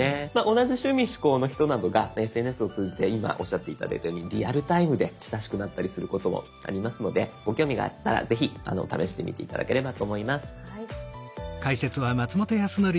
同じ趣味嗜好の人などがＳＮＳを通じて今おっしゃって頂いたようにリアルタイムで親しくなったりすることもありますのでご興味があったらぜひ試してみて頂ければと思います。